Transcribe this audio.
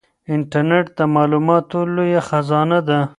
انټرنیټ د معلوماتو لویه خزانه ده.